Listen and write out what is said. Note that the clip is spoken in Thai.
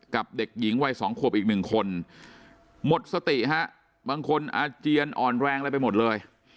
เด็กหญิงวัย๒ขวบอีกหนึ่งคนหมดสติฮะบางคนอาเจียนอ่อนแรงอะไรไปหมดเลย